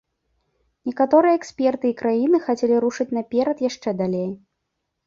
Некаторыя эксперты і краіны хацелі рушыць наперад яшчэ далей.